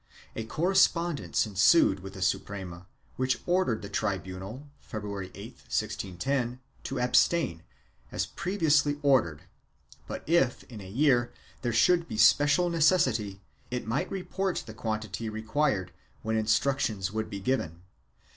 A correspondence ensued with the Suprema which ordered the tribunal, February 8, 1610, to abstain, as pre viously ordered, but if, in any year, there should be special necessity, it might report the quantity required when instruc tions would be given.